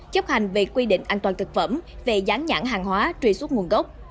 chấp hành về quy định an toàn thực phẩm về gián nhãn hàng hóa truy xuất nguồn gốc